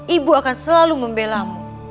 ibu akan selalu membelamu